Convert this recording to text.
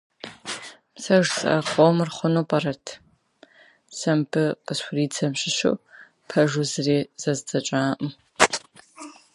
Нам известно, что он крайне занят и у него чрезвычайно напряженный график работы.